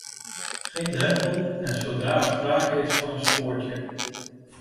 Geen drempel en zodra er sprake is van een spoortje.